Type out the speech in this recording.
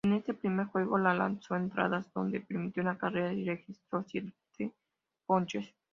En ese primer juego lanzó entradas donde permitió una carrera y registró siete ponches.